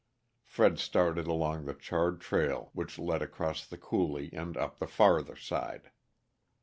Fred started along the charred trail which led across the coulee and up the farther side.